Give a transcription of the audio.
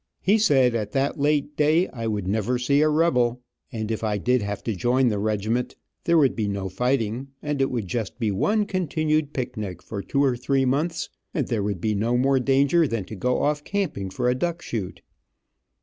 He said at that late day I would never see a rebel, and if I did have to join the regiment, there would be no fighting, and it would just be one continued picnic for two or three months, and there would be no more danger than to go off camping for a duck shoot.